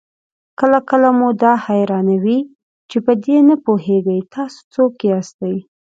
کله کله مو دا حيرانوي چې په دې نه پوهېږئ تاسې څوک ياستئ؟